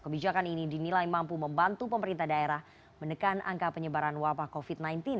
kebijakan ini dinilai mampu membantu pemerintah daerah menekan angka penyebaran wabah covid sembilan belas